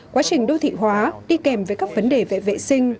quá trình đô thị hóa đi kèm với các vấn đề vệ sinh